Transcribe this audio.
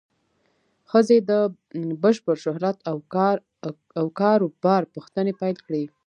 ښځې د بشپړ شهرت او کار و بار پوښتنې پیل کړې.